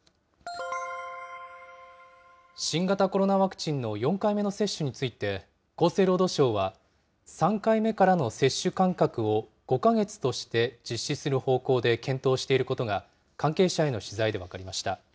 新型コロナワクチンの４回目の接種について、厚生労働省は、３回目からの接種間隔を５か月として実施する方向で検討していることが、関係者への取材で分かりました。